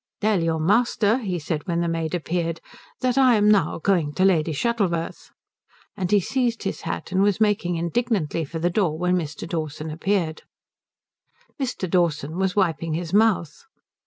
"Tell your master," he said when the maid appeared, "that I am now going to Lady Shuttleworth." And he seized his hat and was making indignantly for the door when Mr. Dawson appeared. Mr. Dawson was wiping his mouth.